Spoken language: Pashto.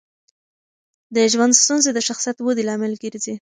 د ژوند ستونزې د شخصیت ودې لامل ګرځي.